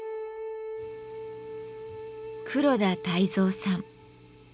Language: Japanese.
黒田泰蔵さん。